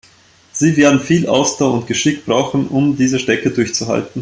Sie werden viel Ausdauer und Geschick brauchen, um diese Strecke durchzuhalten.